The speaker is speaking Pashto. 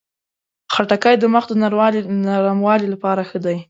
خټکی د مخ د نرموالي لپاره ښه دی.